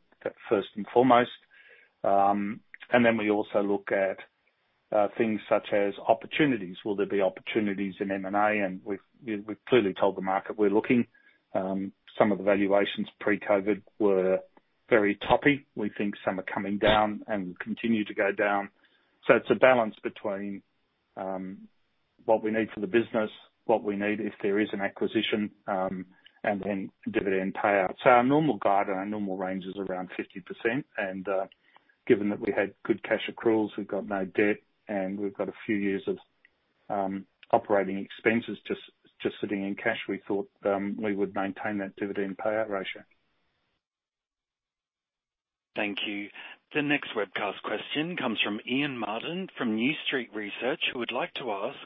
first and foremost? And then we also look at things such as opportunities. Will there be opportunities in M&A? And we've clearly told the market we're looking. Some of the valuations pre-COVID were very toppy. We think some are coming down and continue to go down. So it's a balance between what we need for the business, what we need if there is an acquisition, and then dividend payout. So our normal guide and our normal range is around 50%. And given that we had good cash accruals, we've got no debt, and we've got a few years of operating expenses just sitting in cash, we thought we would maintain that dividend payout ratio. Thank you. The next webcast question comes from Ian Martin from New Street Research, who would like to ask,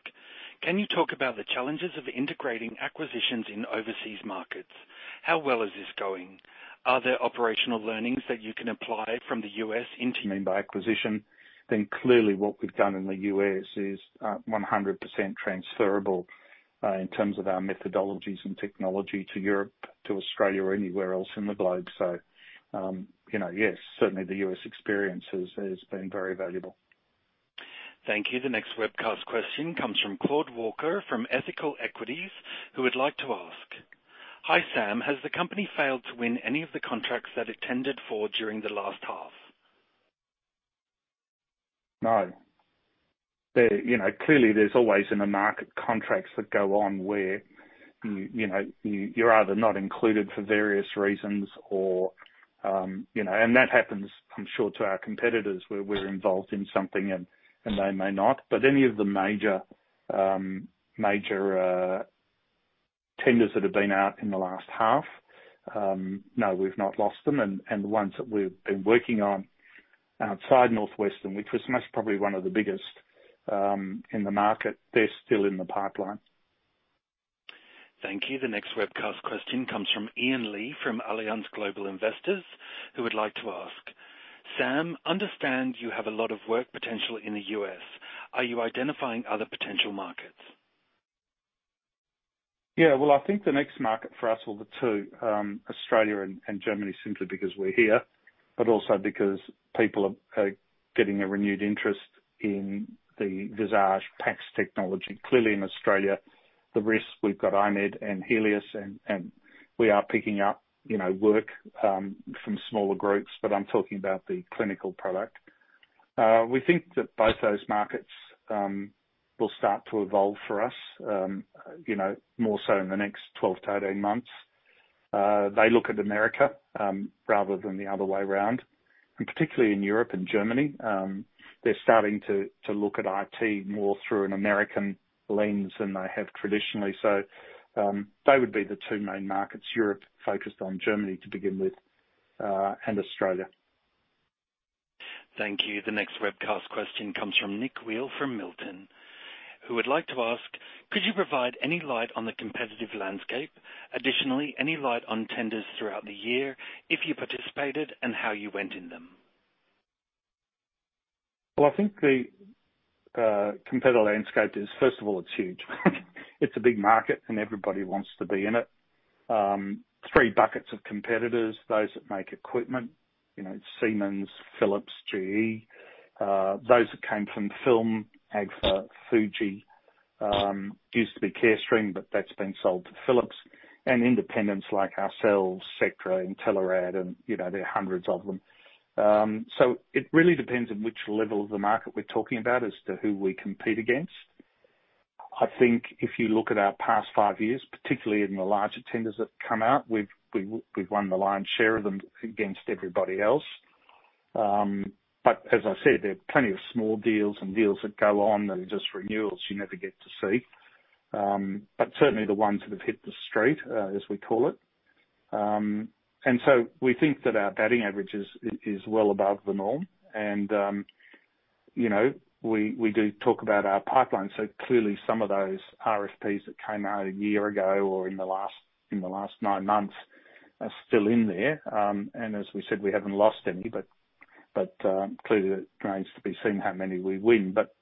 "Can you talk about the challenges of integrating acquisitions in overseas markets? How well is this going? Are there operational learnings that you can apply from the US into. mean by acquisition, then clearly what we've done in the U.S. is 100% transferable in terms of our methodologies and technology to Europe, to Australia, or anywhere else in the globe. So yes, certainly the U.S. experience has been very valuable. Thank you. The next webcast question comes from Claude Walker from Ethical Equities, who would like to ask, "Hi Sam, has the company failed to win any of the contracts that it tendered for during the last half? No. Clearly, there's always in a market contracts that go on where you're either not included for various reasons or and that happens, I'm sure, to our competitors where we're involved in something and they may not. But any of the major tenders that have been out in the last half, no, we've not lost them. And the ones that we've been working on outside Northwestern, which was most probably one of the biggest in the market, they're still in the pipeline. Thank you. The next webcast question comes from Ian Lee from Allianz Global Investors, who would like to ask, "Sam, understand you have a lot of work potential in the U.S. Are you identifying other potential markets? Yeah. Well, I think the next market for us will be too, Australia and Germany, simply because we're here, but also because people are getting a renewed interest in the Visage PACS technology. Clearly, in Australia, the RIS we've got I-MED and Healius, and we are picking up work from smaller groups, but I'm talking about the clinical product. We think that both those markets will start to evolve for us more so in the next 12 to 18 months. They look at America rather than the other way around. And particularly in Europe and Germany, they're starting to look at IT more through an American lens than they have traditionally. So they would be the two main markets, Europe focused on Germany to begin with and Australia. Thank you. The next webcast question comes from Nick Wieland from Milton Corporation, who would like to ask, "Could you provide any light on the competitive landscape? Additionally, any light on tenders throughout the year, if you participated, and how you went in them? I think the competitor landscape is, first of all, it's huge. It's a big market, and everybody wants to be in it. Three buckets of competitors, those that make equipment, it's Siemens, Philips, GE, those that came from film, Agfa, Fuji, used to be Carestream, but that's been sold to Philips, and independents like ourselves, Sectra, and Intelerad, and there are hundreds of them. It really depends on which level of the market we're talking about as to who we compete against. I think if you look at our past five years, particularly in the larger tenders that come out, we've won the lion's share of them against everybody else. As I said, there are plenty of small deals and deals that go on that are just renewals you never get to see. Certainly the ones that have hit the street, as we call it. And so we think that our batting average is well above the norm. And we do talk about our pipeline. So clearly, some of those RFPs that came out a year ago or in the last nine months are still in there. And as we said, we haven't lost any, but clearly, it remains to be seen how many we win. But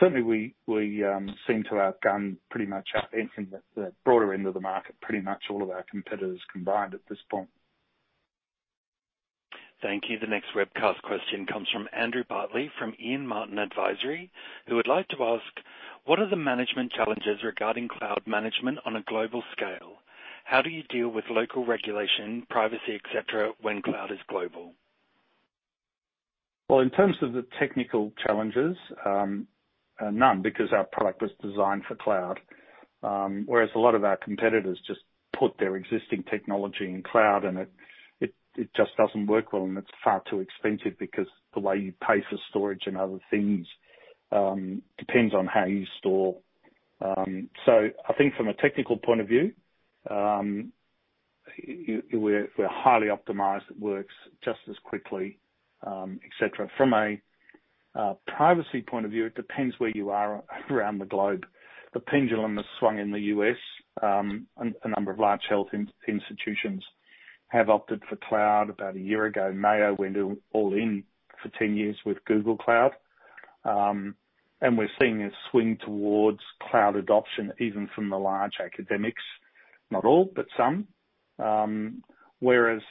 certainly, we seem to have gone pretty much out into the broader end of the market, pretty much all of our competitors combined at this point. Thank you. The next webcast question comes from Andrew Bartley from Ian Martin Advisory, who would like to ask, "What are the management challenges regarding cloud management on a global scale? How do you deal with local regulation, privacy, etc., when cloud is global? In terms of the technical challenges, none because our product was designed for cloud, whereas a lot of our competitors just put their existing technology in cloud, and it just doesn't work well. It's far too expensive because the way you pay for storage and other things depends on how you store. I think from a technical point of view, we're highly optimized. It works just as quickly, etc. From a privacy point of view, it depends where you are around the globe. The pendulum has swung in the U.S. A number of large health institutions have opted for cloud about a year ago. Mayo went all in for 10 years with Google Cloud. We're seeing a swing towards cloud adoption, even from the large academics. Not all, but some. Whereas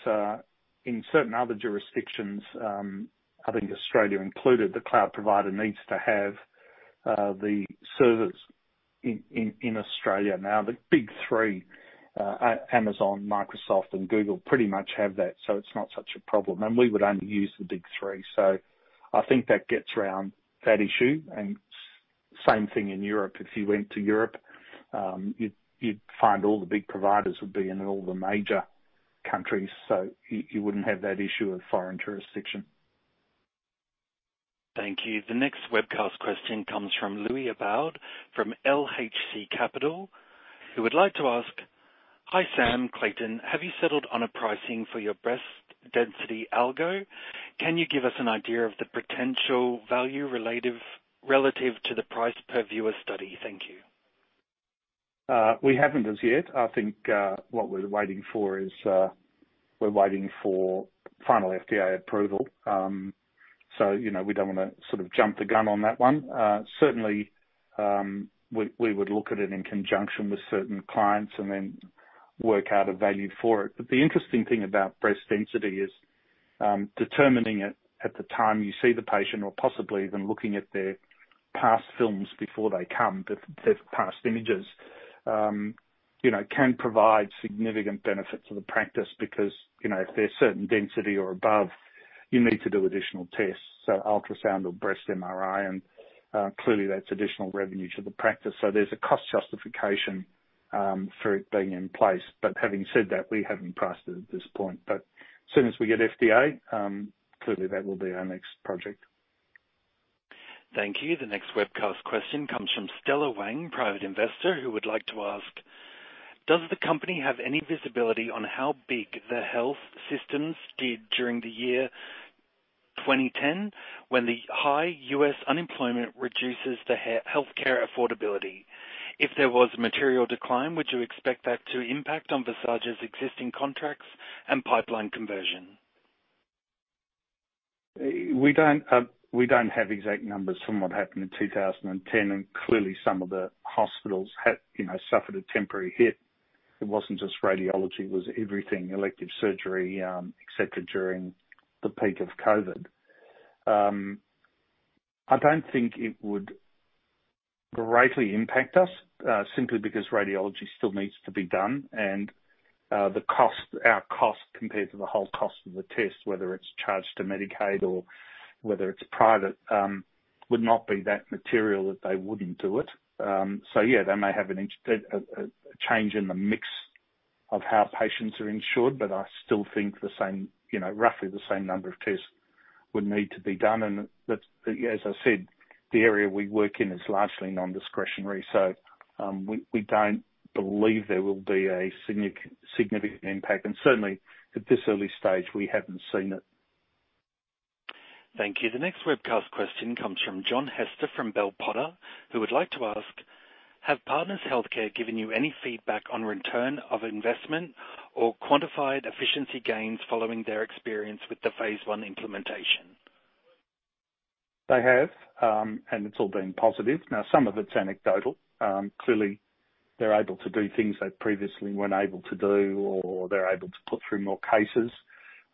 in certain other jurisdictions, I think Australia included, the cloud provider needs to have the servers in Australia. Now, the big three, Amazon, Microsoft, and Google, pretty much have that, so it's not such a problem, and we would only use the big three, so I think that gets around that issue, and same thing in Europe. If you went to Europe, you'd find all the big providers would be in all the major countries, so you wouldn't have that issue of foreign jurisdiction. Thank you. The next webcast question comes from Louis Aboud from LHC Capital, who would like to ask, "Hi Sam, Clayton, have you settled on a pricing for your breast density algo? Can you give us an idea of the potential value relative to the price per viewer study?" Thank you. We haven't as yet. I think what we're waiting for is we're waiting for final FDA approval, so we don't want to sort of jump the gun on that one. Certainly, we would look at it in conjunction with certain clients and then work out a value for it, but the interesting thing about breast density is determining it at the time you see the patient or possibly even looking at their past films before they come, their past images, can provide significant benefits to the practice because if they're certain density or above, you need to do additional tests, so ultrasound or breast MRI, and clearly, that's additional revenue to the practice, so there's a cost justification for it being in place. But having said that, we haven't priced it at this point, but as soon as we get FDA, clearly, that will be our next project. Thank you. The next webcast question comes from Stella Wang, private investor, who would like to ask, "Does the company have any visibility on how the big health systems did during the year 2020 when the high US unemployment reduces the healthcare affordability? If there was material decline, would you expect that to impact on Visage's existing contracts and pipeline conversion? We don't have exact numbers from what happened in 2010. Clearly, some of the hospitals suffered a temporary hit. It wasn't just radiology. It was everything, elective surgery, etc., during the peak of COVID. I don't think it would greatly impact us simply because radiology still needs to be done. Our cost compared to the whole cost of the test, whether it's charged to Medicaid or whether it's private, would not be that material that they wouldn't do it. Yeah, they may have an interesting change in the mix of how patients are insured, but I still think roughly the same number of tests would need to be done. As I said, the area we work in is largely non-discretionary. We don't believe there will be a significant impact. Certainly, at this early stage, we haven't seen it. Thank you. The next webcast question comes from John Hester from Bell Potter, who would like to ask, "Have Partners HealthCare given you any feedback on return on investment or quantified efficiency gains following their experience with the phase one implementation? They have, and it's all been positive. Now, some of it's anecdotal. Clearly, they're able to do things they previously weren't able to do, or they're able to put through more cases.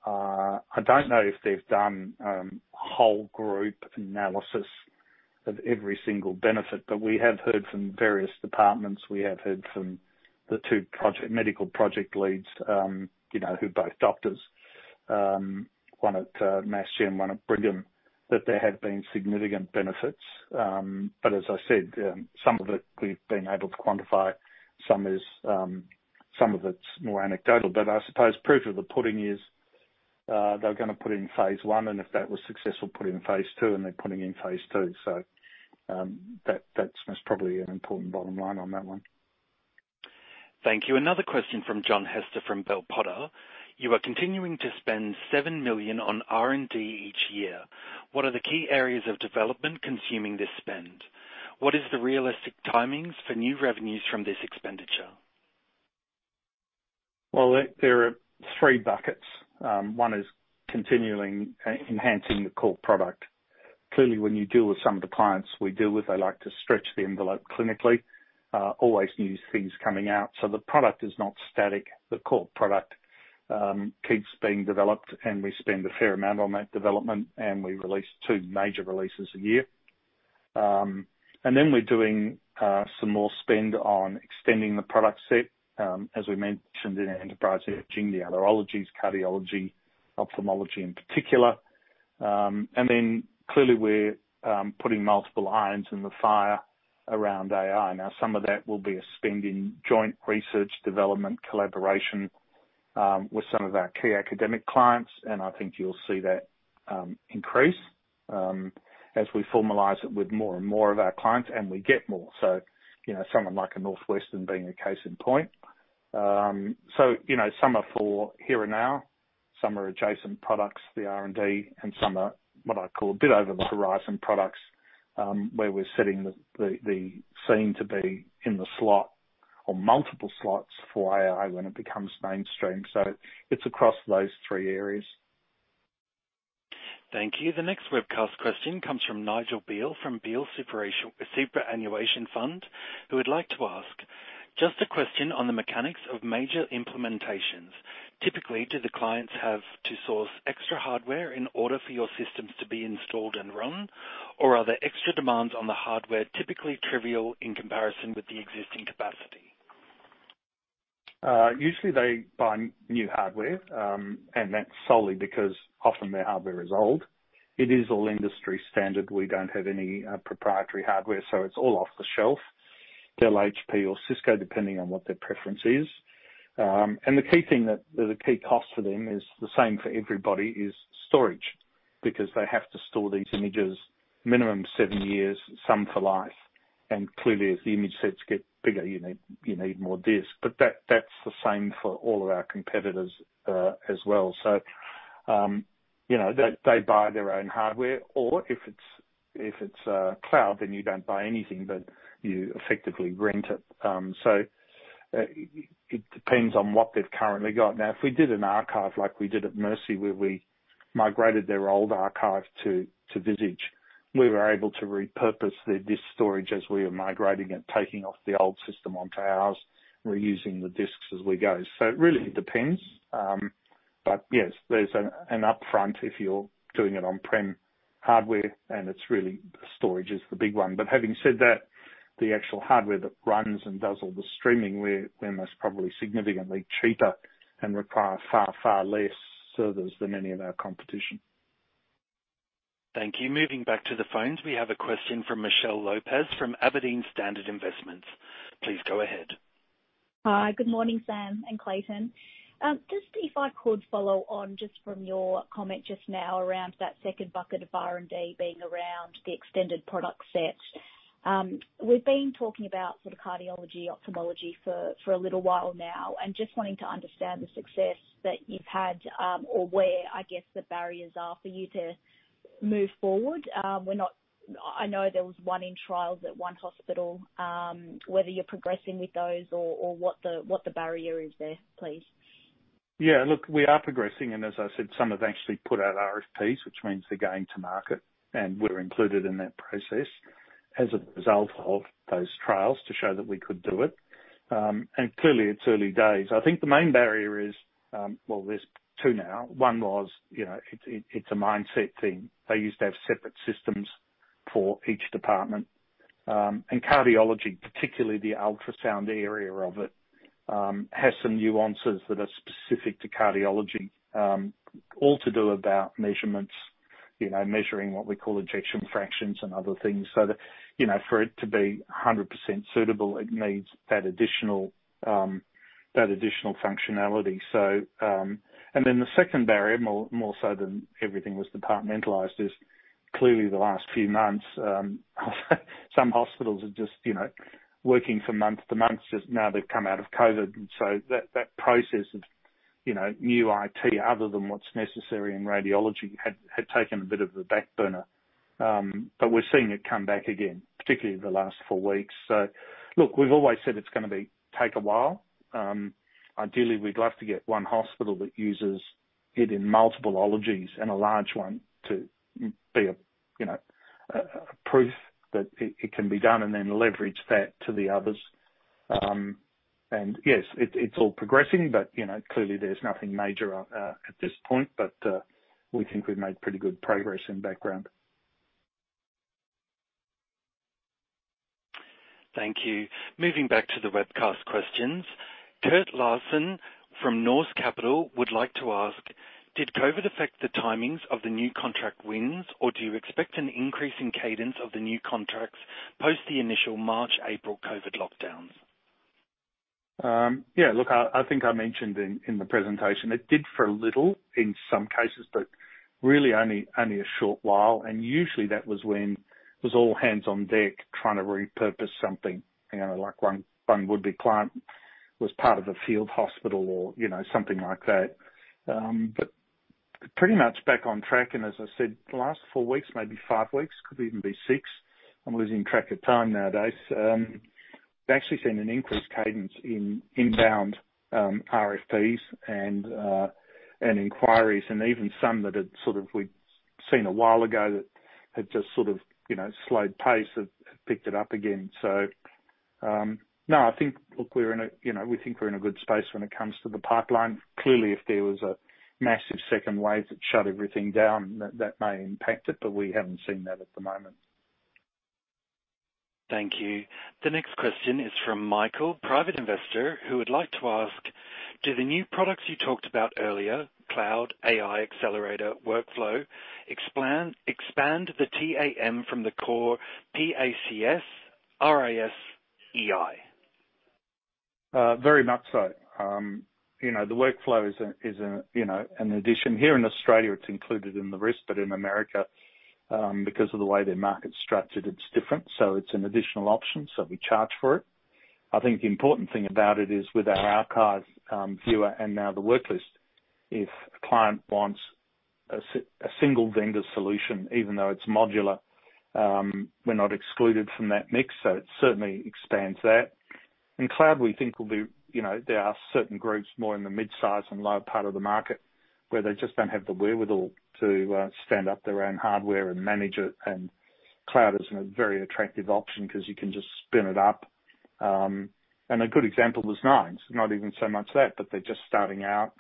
I don't know if they've done whole group analysis of every single benefit, but we have heard from various departments. We have heard from the two medical project leads, who are both doctors, one at Mass General, one at Brigham, that there have been significant benefits. But as I said, some of it we've been able to quantify. Some of it's more anecdotal. But I suppose proof of the pudding is they're going to put in phase one, and if that was successful, put in phase two, and they're putting in phase two. So that's most probably an important bottom line on that one. Thank you. Another question from John Hester from Bell Potter. "You are continuing to spend 7 million on R&D each year. What are the key areas of development consuming this spend? What is the realistic timings for new revenues from this expenditure? There are three buckets. One is continually enhancing the core product. Clearly, when you deal with some of the clients we deal with, they like to stretch the envelope clinically, always new things coming out. So the product is not static. The core product keeps being developed, and we spend a fair amount on that development, and we release two major releases a year. And then we're doing some more spend on extending the product set, as we mentioned in Enterprise Imaging, the other modalities, cardiology, ophthalmology in particular. And then clearly, we're putting multiple irons in the fire around AI. Now, some of that will be a spend in joint research, development, collaboration with some of our key academic clients. And I think you'll see that increase as we formalize it with more and more of our clients, and we get more. So, someone like a Northwestern being a case in point. So, some are for here and now. Some are adjacent products, the R&D, and some are what I call a bit over the horizon products where we're setting the scene to be in the slot or multiple slots for AI when it becomes mainstream. So, it's across those three areas. Thank you. The next webcast question comes from Nigel Beal from Beal Superannuation Fund, who would like to ask, "Just a question on the mechanics of major implementations. Typically, do the clients have to source extra hardware in order for your systems to be installed and run? Or are the extra demands on the hardware typically trivial in comparison with the existing capacity? Usually, they buy new hardware, and that's solely because often their hardware is old. It is all industry standard. We don't have any proprietary hardware, so it's all off the shelf, Dell, HP, or Cisco, depending on what their preference is. And the key thing that the key cost for them is the same for everybody is storage because they have to store these images minimum seven years, some for life. And clearly, as the image sets get bigger, you need more disks. But that's the same for all of our competitors as well. So they buy their own hardware. Or if it's cloud, then you don't buy anything, but you effectively rent it. So it depends on what they've currently got. Now, if we did an archive like we did at Mercy, where we migrated their old archive to Visage, we were able to repurpose their disk storage as we were migrating it, taking off the old system onto ours, reusing the disks as we go. So really, it depends. But yes, there's an upfront if you're doing it on-prem hardware, and it's really storage is the big one. But having said that, the actual hardware that runs and does all the streaming, we're most probably significantly cheaper and require far, far less servers than any of our competition. Thank you. Moving back to the phones, we have a question from Michelle Lopez from Aberdeen Standard Investments. Please go ahead. Hi, good morning, Sam and Clayton. Just if I could follow on just from your comment just now around that second bucket of R&D being around the extended product set. We've been talking about sort of cardiology, ophthalmology for a little while now, and just wanting to understand the success that you've had or where, I guess, the barrier is for you to move forward. I know there was one in trials at one hospital. Whether you're progressing with those or what the barrier is there, please. Yeah. Look, we are progressing. And as I said, some have actually put out RFPs, which means they're going to market, and we're included in that process as a result of those trials to show that we could do it. And clearly, it's early days. I think the main barrier is, well, there's two now. One was it's a mindset thing. They used to have separate systems for each department. And cardiology, particularly the ultrasound area of it, has some nuances that are specific to cardiology, all to do about measurements, measuring what we call ejection fractions and other things. So for it to be 100% suitable, it needs that additional functionality. And then the second barrier, more so than everything was departmentalized, is clearly the last few months. Some hospitals are just working from month to month. Now they've come out of COVID. So that process of new IT, other than what's necessary in radiology, had taken a bit of a back burner. But we're seeing it come back again, particularly the last four weeks. So look, we've always said it's going to take a while. Ideally, we'd love to get one hospital that uses it in multiple ologies and a large one to be a proof that it can be done and then leverage that to the others. And yes, it's all progressing, but clearly, there's nothing major at this point. But we think we've made pretty good progress in background. Thank you. Moving back to the webcast questions. Curt Larsen from Nordic Capital would like to ask, "Did COVID affect the timings of the new contract wins, or do you expect an increase in cadence of the new contracts post the initial March-April COVID lockdowns? Yeah. Look, I think I mentioned in the presentation it did for a little in some cases, but really only a short while. And usually, that was when it was all hands on deck trying to repurpose something. One would be client was part of a field hospital or something like that. But pretty much back on track. And as I said, the last four weeks, maybe five weeks, could even be six. I'm losing track of time nowadays. We've actually seen an increased cadence in inbound RFPs and inquiries and even some that we'd seen a while ago that had just sort of slowed pace have picked it up again. So no, I think, look, we're in a we think we're in a good space when it comes to the pipeline. Clearly, if there was a massive second wave that shut everything down, that may impact it, but we haven't seen that at the moment. Thank you. The next question is from Michael, private investor, who would like to ask, "Do the new products you talked about earlier, Cloud, AI Accelerator, Workflow, expand the TAM from the core PACS, RIS, EI? Very much so. The worklist is an addition. Here in Australia, it's included in the rest, but in America, because of the way their market's structured, it's different. So it's an additional option. So we charge for it. I think the important thing about it is with our archive viewer and now the worklist, if a client wants a single vendor solution, even though it's modular, we're not excluded from that mix. So it certainly expands that. And cloud, we think, will be. There are certain groups more in the mid-size and low part of the market where they just don't have the wherewithal to stand up their own hardware and manage it. And cloud is a very attractive option because you can just spin it up. And a good example was Nines. It's not even so much that, but they're just starting out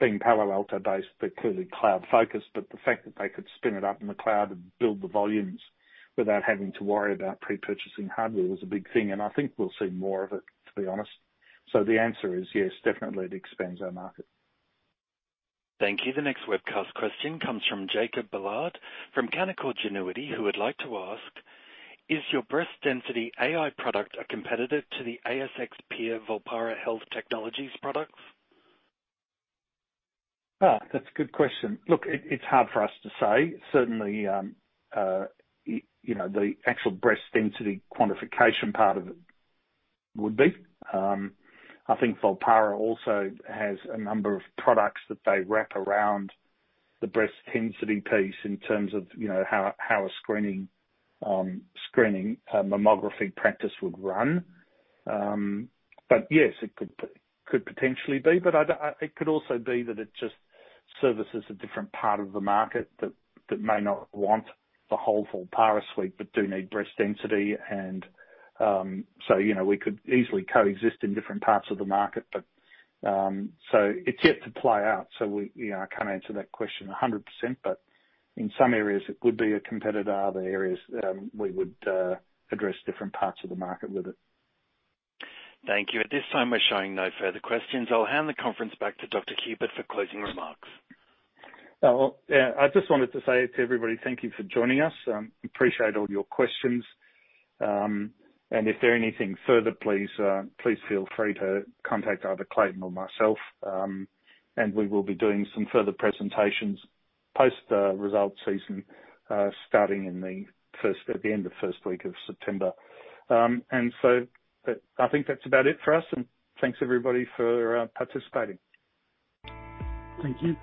being Palo Alto-based. They're clearly cloud-focused. But the fact that they could spin it up in the cloud and build the volumes without having to worry about pre-purchasing hardware was a big thing. And I think we'll see more of it, to be honest. So the answer is yes, definitely, it expands our market. Thank you. The next webcast question comes from Jacob Ballard from Canaccord Genuity, who would like to ask, "Is your breast density AI product a competitor to the ASX peer Volpara Health Technologies products? That's a good question. Look, it's hard for us to say. Certainly, the actual breast density quantification part of it would be. I think Volpara also has a number of products that they wrap around the breast density piece in terms of how a screening mammography practice would run. But yes, it could potentially be. But it could also be that it just services a different part of the market that may not want the whole Volpara suite but do need breast density. And so we could easily coexist in different parts of the market. So it's yet to play out. So I can't answer that question 100%. But in some areas, it would be a competitor. Other areas, we would address different parts of the market with it. Thank you. At this time, we're showing no further questions. I'll hand the conference back to Dr. Hupert for closing remarks. I just wanted to say to everybody, thank you for joining us. Appreciate all your questions. And if there's anything further, please feel free to contact either Clayton or myself, and we will be doing some further presentations post-result season starting in the end of first week of September. And so I think that's about it for us. And thanks, everybody, for participating. Thank you.